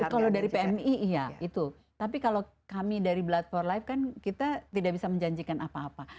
kalau dari pmi iya itu tapi kalau kami dari blood for life kan kita tidak bisa menjanjikan apa apa